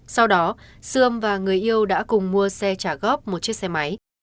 sau đó sươm và người yêu đã cùng mua xe trả góp một chiếc xe máy